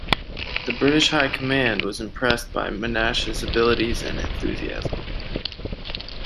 The British High Command was impressed by Monash's abilities and enthusiasm.